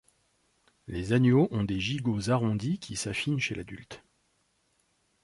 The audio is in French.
Les agneaux ont des gigots arrondis qui s'affinent chez l'adulte.